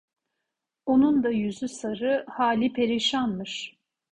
Onun da yüzü sarı, hali perişanmış.